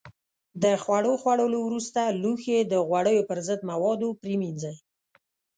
د خوړو خوړلو وروسته لوښي د غوړیو پر ضد موادو پرېمنځئ.